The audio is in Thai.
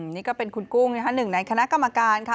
นี่ก็เป็นคุณกุ้งนะคะหนึ่งในคณะกรรมการค่ะ